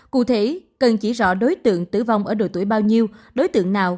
cụ thể cần chỉ rõ đối tượng tử vong ở độ tuổi bao nhiêu đối tượng nào